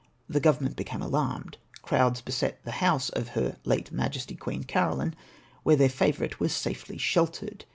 The Government became alarmed. Crowds beset the house of her late Majesty Queen Caroline, where their favourite was safely sheltered.